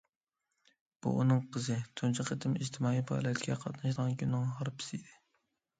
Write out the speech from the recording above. بۇ ئۇنىڭ قىزى تۇنجى قېتىم ئىجتىمائىي پائالىيەتكە قاتنىشىدىغان كۈننىڭ ھارپىسى ئىدى.